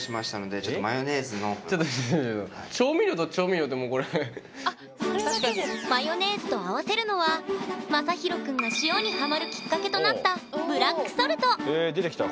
マヨネーズと合わせるのはまさひろくんが塩にハマるきっかけとなったブラックソルト！へ出てきた